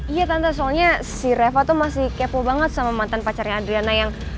iya tante soalnya si reva tuh masih kepo banget sama mantan pacarnya adriana yang